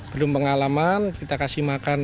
belum pengalaman kita kasih makan